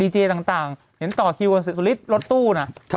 ดีเจต่างเห็นต่อคิวสูริตรรถตู้นั้น